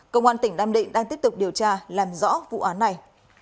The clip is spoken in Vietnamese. cơ quan tỉnh nam định đang tiếp tục điều tra làm rõ vụ án này